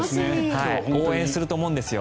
応援すると思うんですよ。